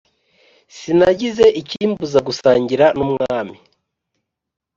Sinagize ikimbuza gusangira n’umwami